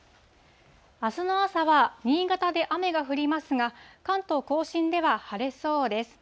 あすの朝は、新潟で雨が降りますが、関東甲信では晴れそうです。